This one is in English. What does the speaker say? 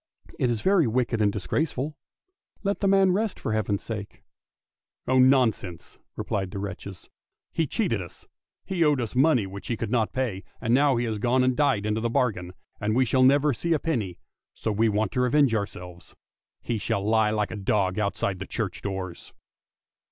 " It is very wicked and disgraceful; let the man rest for Heaven's sake! "" Oh nonsense! " replied the wretches; " he cheated us, he owed us money which he could not pay, and now he has gone and died into the bargain, and we shall never see a penny, so we want to revenge ourselves. He shall he like a dog outside the church doors!